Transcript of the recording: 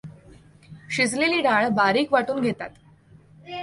शिजलेली डाळ बारीक् वाटून घेतात.